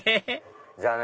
じゃあね